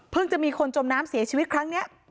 จะมีคนจมน้ำเสียชีวิตครั้งนี้